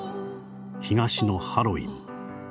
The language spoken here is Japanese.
東のハロウィン。